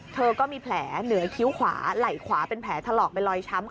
เธอก็มีแผลเหนือคิ้วขวาไหล่ขวาเป็นแผลถลอกเป็นรอยช้ำ